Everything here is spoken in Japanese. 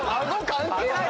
関係ないよ！